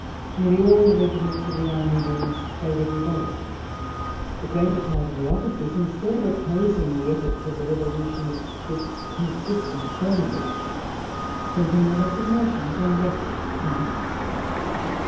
Nearly all the regiments of the army were in a state of revolt. The greater part of the officers, instead of opposing the efforts of the Revolutionists with consistent firmness, sent in their resignations and left France.